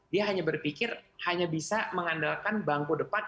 dia hanya berpikir hanya bisa mengandalkan bangku depan